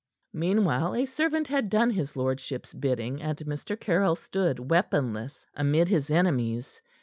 Meanwhile a servant had done his lordship's bidding, and Mr. Caryll stood weaponless amid his enemies.